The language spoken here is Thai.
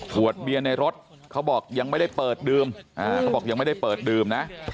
ขวดเบียนในรถเขาบอกยังไม่ได้เปิดดื่ม